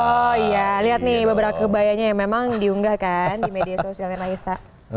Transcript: oh iya lihat nih beberapa kebayanya yang memang diunggah kan di media sosialnya naisa